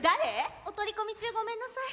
お取り込み中ごめんなさい。